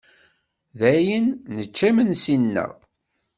Dayen, nečča imensi-nneɣ.